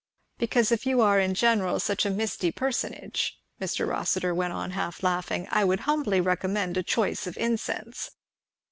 "Because if you are in general such a misty personage," Mr. Rossitur went on half laughing, "I would humbly recommend a choice of incense."